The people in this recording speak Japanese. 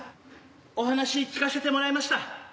お話聞かしぇてもらいました。